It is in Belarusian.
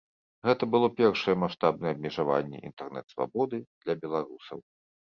Гэта было першае маштабнае абмежаванне інтэрнэт-свабоды для беларусаў.